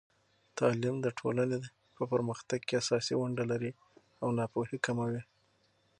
تعلیم د ټولنې په پرمختګ کې اساسي ونډه لري او ناپوهي کموي.